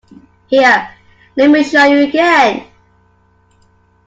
Here, let me show you again.